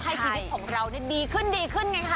ให้ชีวิตของเราเนี่ยดีขึ้นไงคะ